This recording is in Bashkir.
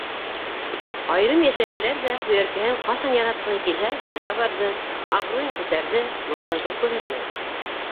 Айырым йәшәһәләр ҙә, һөйәркәһен ҡасан яратҡыһы килһә, шунда барҙы, абруйын күтәрҙе, мохтажлыҡ күрһәтмәне.